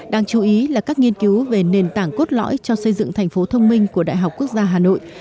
đáng chú ý là các nghiên cứu về nền tảng cốt lõi cho xây dựng thành phố thông minh của đại học quốc gia hà nội